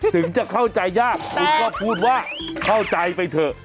ถึงจะเข้าใจยากคุณก็พูดว่าเข้าใจไปเถอะ